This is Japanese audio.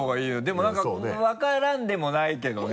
でもなんか分からんでもないけどね。